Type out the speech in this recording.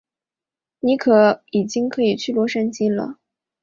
尼可已经可以去洛杉矶了。